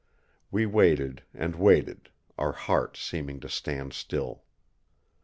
We waited and waited, our hearts seeming to stand still.